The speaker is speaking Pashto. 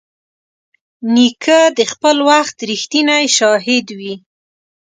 نیکه د خپل وخت رښتینی شاهد وي.